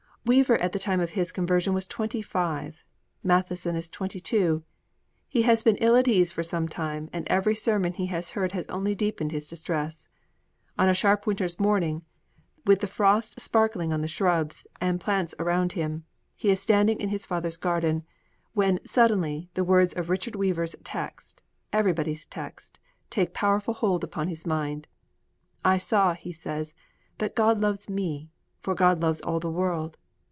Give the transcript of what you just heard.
Weaver, at the time of his conversion, was twenty five: Matheson is twenty two. He has been ill at ease for some time, and every sermon he has heard has only deepened his distress. On a sharp winter's morning, with the frost sparkling on the shrubs and plants around him, he is standing in his father's garden, when, suddenly, the words of Richard Weaver's text Everybody's Text take powerful hold upon his mind. 'I saw,' he says, 'that God loves me, for God loves all the world.